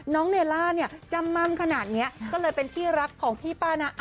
เนล่าเนี่ยจำม่ำขนาดนี้ก็เลยเป็นที่รักของพี่ป้านะ